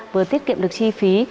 vừa tiết kiệm được chi phí